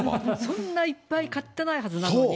そんないっぱい買ってないはずなのに。